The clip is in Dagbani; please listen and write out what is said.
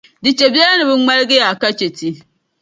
Di chɛ biɛla ni bɛ ŋmalgi a ka chɛ ti.